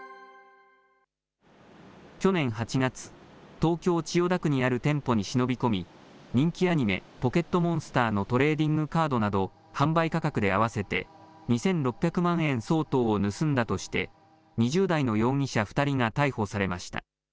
去年８月、東京・千代田区にある店舗に忍び込み、人気アニメ、ポケットモンスターのトレーディングカードなど、販売価格で合わせて２６００万円相当を盗んだとして、２０代の容疑者２人が逮捕されました。